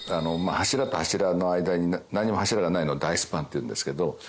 柱と柱の間に何も柱がないのを大スパンっていうんですけど。